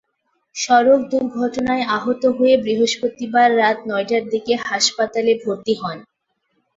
সড়ক দুর্ঘটনায় আহত হয়ে বৃহস্পতিবার রাত নয়টার দিকে হাসপাতালে ভর্তি হন।